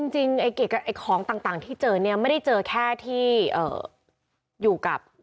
จริงของต่างที่เจอเนี่ยไม่ได้เจอแค่ที่อยู่กับ